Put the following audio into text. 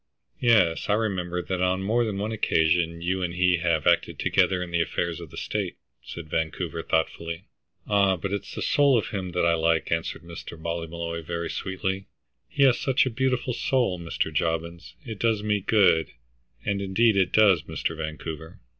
"Yes, I remember that on more than one occasion you and he have acted together in the affairs of the state," said Vancouver, thoughtfully. '"Ah, but it's the soul of him that I like," answered Mr. Ballymolloy very sweetly. "He has such a beautiful soul, Mr. Jobbins; it does me good, and indeed it does, Mr. Vancouver."